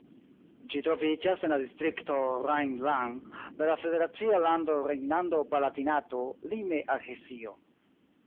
Ĝi troviĝas en la distrikto Rhein-Lahn de la federacia lando Rejnlando-Palatinato, lime al Hesio.